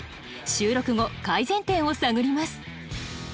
収録後改善点を探ります。